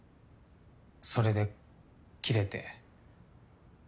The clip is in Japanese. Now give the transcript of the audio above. それでキレて。